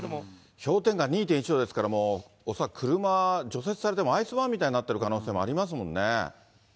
氷点下２．１度ですから、恐らく車、除雪されてもアイスバーンみたいになっている可能性もありますもんね。